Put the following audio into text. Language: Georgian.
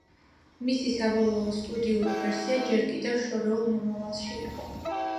მისი საბოლოო სტუდიური ვერსია ჯერ კიდევ შორეულ მომავალში იყო.